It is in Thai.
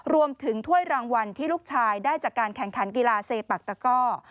ถ้วยรางวัลที่ลูกชายได้จากการแข่งขันกีฬาเซปักตะก้อ